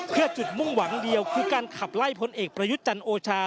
เพื่อจุดมุ่งหวังเดียวคือการขับไล่พลเอกประยุทธ์จันทร์โอชา